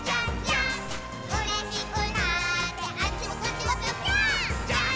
「うれしくなってあっちもこっちもぴょぴょーん」